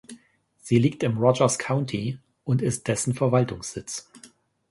Sie liegt im Rogers County und ist dessen Verwaltungssitz.